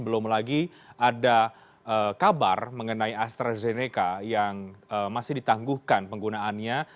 belum lagi ada kabar mengenai astrazeneca yang masih ditangguhkan penggunaannya